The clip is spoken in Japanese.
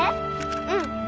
うん。